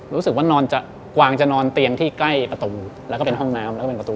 รู้สึกว่านอนจะกวางจะนอนเตียงที่ใกล้ประตูแล้วก็เป็นห้องน้ำแล้วก็เป็นประตู